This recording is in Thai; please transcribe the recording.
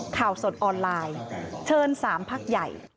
ข่าวสดออนไลน์เชิญ๓พักใหญ่